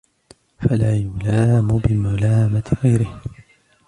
فَلَا يُلَامُ بِمَلَامَةِ غَيْرِهِ